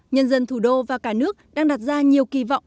nhân dân thủ đô và cả nước đang đặt ra nhiều kỳ vọng